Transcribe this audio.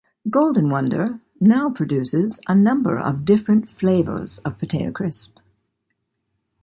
Golden Wonder now produces a number of different flavours of potato crisp.